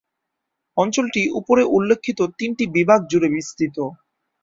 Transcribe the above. অঞ্চলটি উপরে উল্লিখিত তিনটি বিভাগ জুড়ে বিস্তৃত।